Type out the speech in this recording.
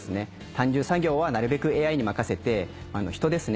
単純作業はなるべくＡＩに任せて人ですね